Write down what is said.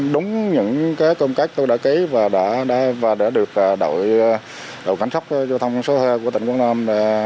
đúng những công cách tôi đã ký và đã được đội cảnh sát giao thông số hai của tỉnh quảng nam